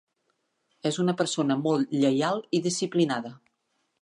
És una persona molt lleial i disciplinada.